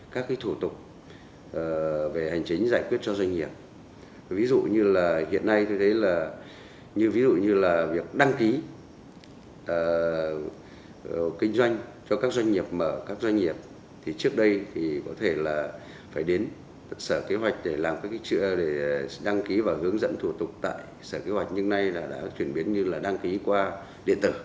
các thủ tục về hành chính giải quyết cho doanh nghiệp ví dụ như là hiện nay tôi thấy là ví dụ như là việc đăng ký kinh doanh cho các doanh nghiệp mở các doanh nghiệp thì trước đây thì có thể là phải đến sở kế hoạch để đăng ký và hướng dẫn thủ tục tại sở kế hoạch nhưng nay đã chuyển biến như là đăng ký qua điện tử